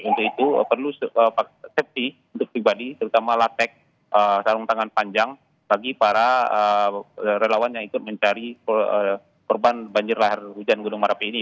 untuk itu perlu safety untuk pribadi terutama latek sarung tangan panjang bagi para relawan yang ikut mencari korban banjir lahar hujan gunung merapi ini